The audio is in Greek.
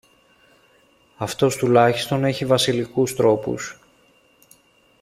Αυτός τουλάχιστον έχει βασιλικούς τρόπους!